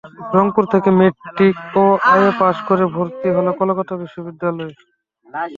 রংপুর থেকে ম্যাট্রিক ও IA pass করে ভর্তি হন কলকাতা বিশ্ববিদ্যালয়ে।